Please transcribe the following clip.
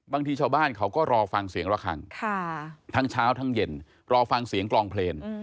บางทีชาวบ้านเขาก็รอฟังเสียงระคังทั้งเช้าทั้งเย็นรอฟังเสียงกลองเพลง